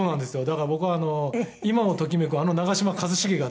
だから僕は今を時めくあの長嶋一茂がですね」